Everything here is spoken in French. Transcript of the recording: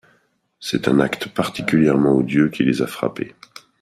C’est un acte particulièrement odieux qui les a frappés.